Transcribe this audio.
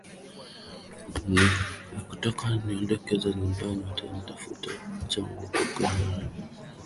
ni kutoka Niondoke Zanzibar nyota nitafute changu Kwa sababu kwanza walikuwa wananitegemea Wananifanyisha kazi